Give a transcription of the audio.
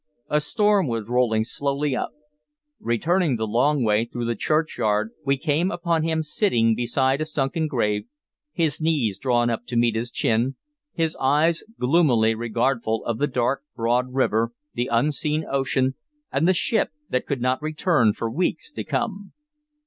A storm was rolling slowly up. Returning the long way through the churchyard, we came upon him sitting beside a sunken grave, his knees drawn up to meet his chin, his eyes gloomily regardful of the dark broad river, the unseen ocean, and the ship that could not return for weeks to come.